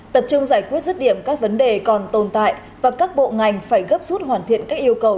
tập trung giải quyết rứt điểm các vấn đề còn tồn tại và các bộ ngành phải gấp rút hoàn thiện các yêu cầu